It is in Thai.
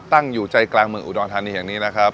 ตั้งอยู่ใจกลางเมืองอุดรธานีแห่งนี้นะครับ